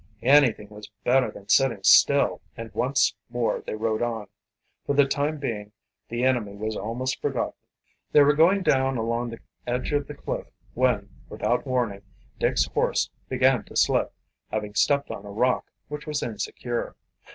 Anything was better than sitting still, and once more they rode on. For the time being the enemy was almost forgotten. They were going down along the edge of the cliff when, without warning, Dick's horse began to slip, having stepped on a rock which was insecure.